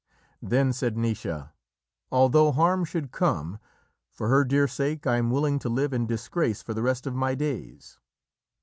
Then said Naoise: "Although harm should come, for her dear sake I am willing to live in disgrace for the rest of my days."